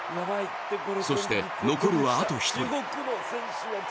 そして、残るはあと１人。